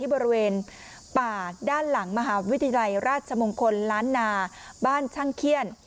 บริเวณป่าด้านหลังมหาวิทยาลัยราชมงคลล้านนาบ้านช่างเขี้ยน